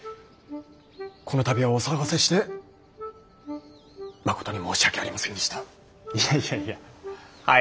この度はお騒がせしてまことに申し訳ありませんでした。いやいやいやはい。